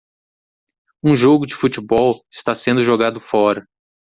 Um jogo de futebol está sendo jogado fora.